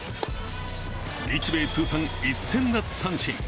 日米通算１０００奪三振。